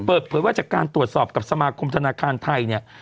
เปิดเผยว่าจากการตรวจสอบกับสมาคมธนาคารไทยเนี่ย